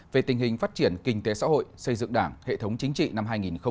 về tình hình phát triển kinh tế xã hội xây dựng đảng hệ thống chính trị năm hai nghìn một mươi chín